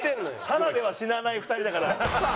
ただでは死なない２人だから。